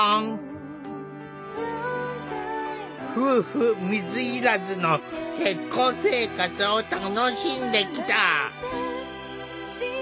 夫婦水入らずの結婚生活を楽しんできた。